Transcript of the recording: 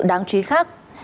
đáng trí khác